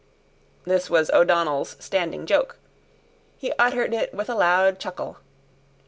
This was O'Donnell's standing joke; he uttered it with a loud chuckle.